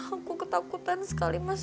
aku ketakutan sekali mas